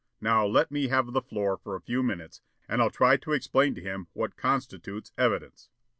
Now, let me have the floor for a few minutes, and I'll try to explain to him what constitutes evidence."